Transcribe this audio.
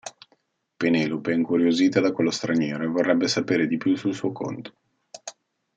Penelope è incuriosita da quello straniero e vorrebbe sapere di più sul suo conto.